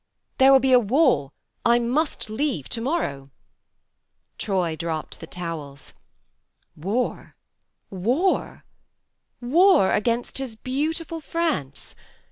"There will be war I must leave to morrow." Troy dropped the towels. 10 THE MARNE 11 War! War! War against his beautiful France!